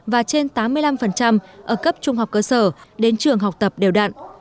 và trên tám mươi năm ở cấp trung học cơ sở đến trường học tập đều đặn